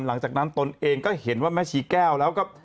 หลังจากนั้นตนเองก็เห็นว่าแม่ชีแก้วแล้วก็